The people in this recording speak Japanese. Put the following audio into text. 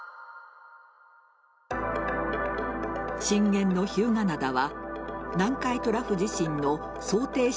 震源の日向灘は南海トラフ地震の想定